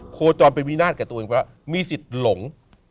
โคจรเป็นวินาทแก่ตัวเองเพราะมีสิทธิ์หลง